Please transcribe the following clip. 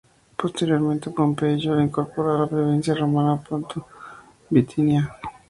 Posteriormente Pompeyo la incorporó a la provincia romana Ponto-Bitinia.